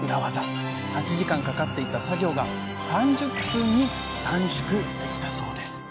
８時間かかっていた作業が３０分に短縮できたそうです。